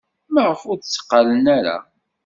Maɣef ur tteqqalen ara?